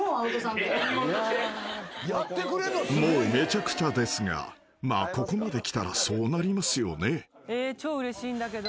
［もうめちゃくちゃですがまあここまできたらそうなりますよね］